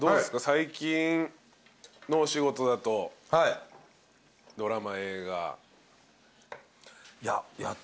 最近のお仕事だとドラマ映画。